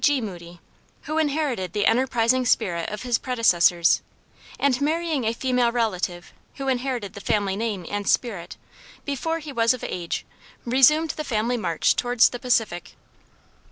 G. Moody, who inherited the enterprising spirit of his predecessors, and, marrying a female relative who inherited the family name and spirit, before he was of age resumed the family march towards the Pacific.